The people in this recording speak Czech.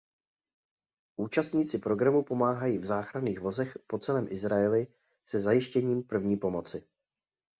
Účastníci programu pomáhají v záchranných vozech po celém Izraeli se zajištěním první pomoci.